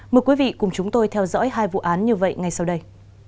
mời quý vị cùng chúng tôi theo dõi hai vụ án như vậy ngay sau đây